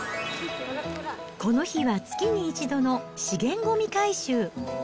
この日は月に１度の資源ごみ回収。